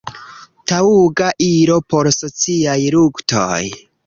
taŭga ilo por sociaj luktoj".